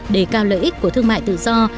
để cao lợi ích của thương mại tự do